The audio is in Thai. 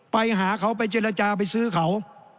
ไปหาเขาไปเจรจาไปซื้อเขา